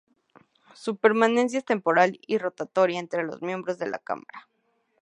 Su permanencia es temporal y rotatoria entre los miembros de la cámara.